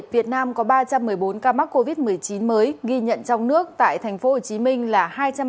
việt nam có ba trăm một mươi bốn ca mắc covid một mươi chín mới ghi nhận trong nước tại tp hcm là hai trăm ba mươi bốn ca